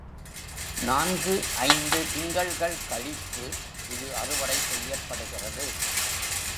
நான்கு ஐந்து திங்கள்கள் கழித்து, இது அறுவடை செய்யப்படுகிறது.